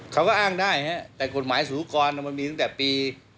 เขาก็อ้างได้ครับแต่กฎหมายศูนย์กรมันมีตั้งแต่ปี๒๔๖๗